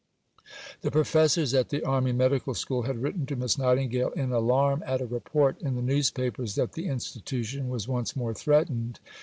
The Professors at the Army Medical School had written to Miss Nightingale in alarm at a report in the newspapers that the institution was once more threatened.